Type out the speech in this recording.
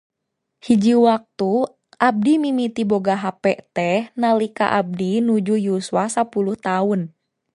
Hiji waktu abdi mimiti boga hape teh nalika abdi nuju yuswa sapuluh taun.